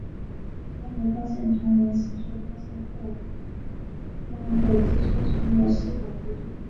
但是发现重联行驶方向后方的机车常有熄火故障。